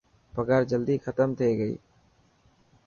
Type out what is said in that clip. پگهار جلدي ختم ٿي گئي.